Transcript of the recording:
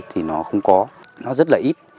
thì nó không có nó rất là ít